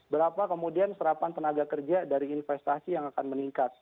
berapa kemudian serapan tenaga kerja dari investasi yang akan meningkat